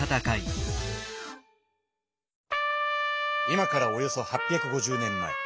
今からおよそ８５０年前。